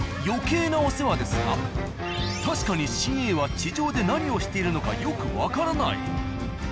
余計なお世話ですが確かにＣＡは地上で何をしているのかよくわからない。